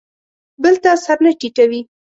بل ته سر نه ټیټوي.